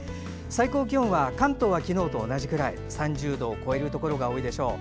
最高気温は関東は昨日と同じくらい３０度を超えるところが多いでしょう。